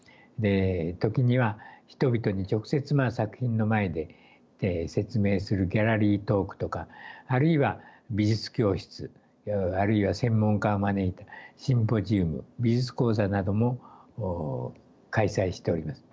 時には人々に直接作品の前で説明するギャラリートークとかあるいは美術教室あるいは専門家を招いたシンポジウム美術講座なども開催しております。